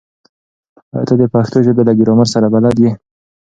ایا ته د پښتو ژبې له ګرامر سره بلد یې؟